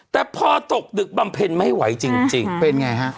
แต่พอตกดึกบำเพ็ญไม่ไหวจริงเป็นไงฮะ